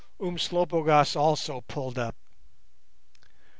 Umslopogaas also pulled up.